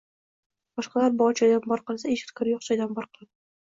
Boshqalar bor joydan bor qilsa, ijodkor yo’q joydan bor qiladi.